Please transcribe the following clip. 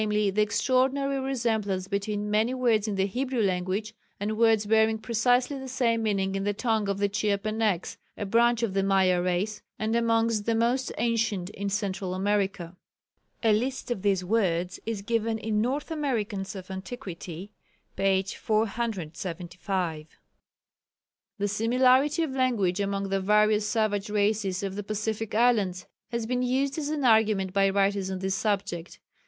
_, the extraordinary resemblance between many words in the Hebrew language and words bearing precisely the same meaning in the tongue of the Chiapenecs a branch of the Maya race, and amongst the most ancient in Central America. A list of these words is given in North Americans of Antiquity, p. 475. The similarity of language among the various savages races of the Pacific islands has been used as an argument by writers on this subject.